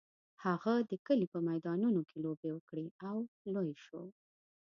هغه د کلي په میدانونو کې لوبې وکړې او لوی شو.